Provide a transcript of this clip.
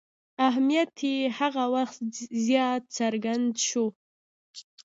اهمیت یې هغه وخت زیات څرګند شو.